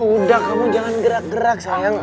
udah kamu jangan gerak gerak sayang